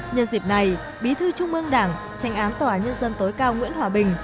nhân dịp này bí thư trung mương đảng trành án tòa án nhân dân tối cao nguyễn hòa bình